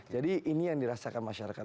jadi ini yang dirasakan masyarakat